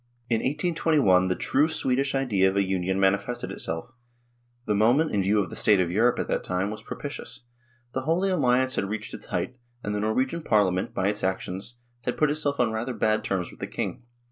THE HISTORY OF THE UNION 33 In 1821 the true Swedish idea of a Union manifested itself; the moment, in view of the state of Europe at that time, was propitious ; the Holy Alliance had reached its height, and the Norwegian Parliament, by its actions, had put itself on rather bad terms with the king.